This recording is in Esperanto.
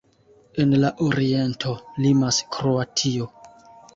En la oriento limas Kroatio.